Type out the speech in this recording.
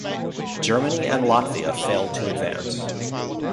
Germany and Latvia failed to advance.